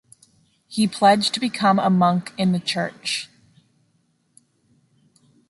He pledged to become a monk in the church.